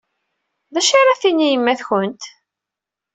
D acu ara d-tini yemma-twen?